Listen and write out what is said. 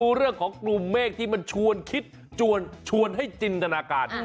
เรื่องของกลุ่มเมฆที่มันชวนคิดชวนให้จินตนาการ